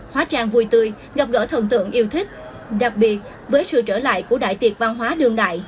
hóa trang vui tươi gặp gỡ thần tượng yêu thích đặc biệt với sự trở lại của đại tiệc văn hóa đường đại